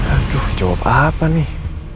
aduh jawab apa nih